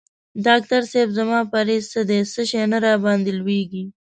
ډاکټر صېب زما پریز څه دی څه شی نه راباندي لویږي؟